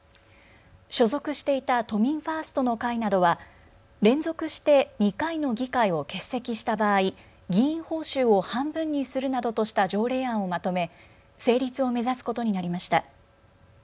所属していた都民ファーストの会などは連続して２回の議会を欠席した場合、議員報酬を半分にするなどとした条例案をまとめ成立を目指すことになりました。